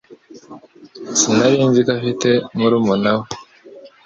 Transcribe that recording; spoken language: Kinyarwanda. Sinari nzi ko afite murumuna we